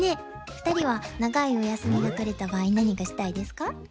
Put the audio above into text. ２人は長いお休みが取れた場合何がしたいですか？